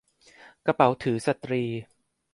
กระเป๋าถือสตรี